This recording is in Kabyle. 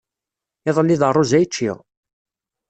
Iḍelli d rruẓ ay ččiɣ.